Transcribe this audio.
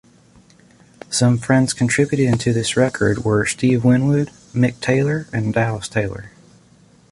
Some friends contributing to this record were Steve Winwood, Mick Taylor and Dallas Taylor.